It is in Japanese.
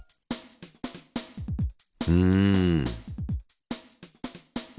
うん。